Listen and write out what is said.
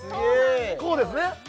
こうですね